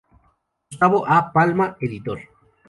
Gustavo A Palma, Editor.